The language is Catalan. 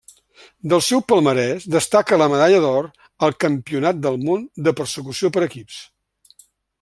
Del seu palmarès destaca la medalla d'or al Campionat del món de Persecució per equips.